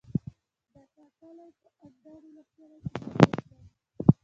باټا کلی په اندړ ولسوالۍ کي موقعيت لري